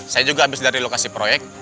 saya juga habis dari lokasi proyek